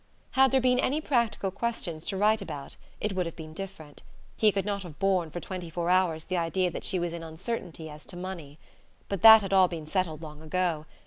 Had there been any practical questions to write about it would have been different; he could not have borne for twenty four hours the idea that she was in uncertainty as to money. But that had all been settled long ago.